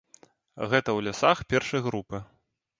Гэта ў лясах першай групы.